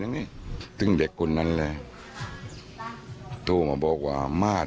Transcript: ซึ่งเต็มอีกคุณนั้นเลยทุกคนมาบอกว่ามาจะ